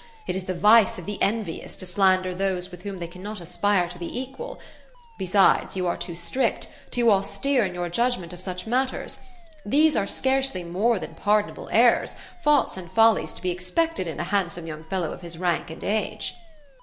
It is the vice of the envious, to slander those with whom they cannot aspire to be equal. Besides, you are too strict — too austere in your judgment of such matters. These are scarcely more than par donable errors, — faults and follies to be expected in a handsome young fellow of his rank and age."